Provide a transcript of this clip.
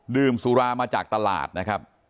ดื่มสุรามาจากตลาดนะครับ